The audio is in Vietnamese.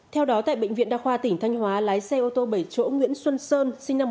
theo đó tại bệnh viện đa khoa tỉnh thanh hóa lái xe ô tô bảy chỗ nguyễn xuân sơn sinh năm một nghìn chín trăm sáu mươi một